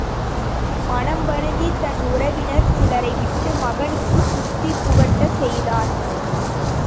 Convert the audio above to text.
மனம் வருந்தித் தன் உறவினர் சிலரை விட்டு மகனுக்குப் புத்தி புகட்டச் செய்தார்.